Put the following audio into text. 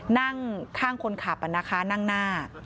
นั่งข้างคนขับนะคะนั่งหน้า